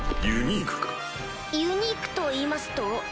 ユニークといいますと？